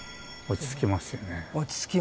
落ち着きますよね